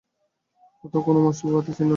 কোথাও কোনো মশাল বা বাতির চিহ্ন নেই।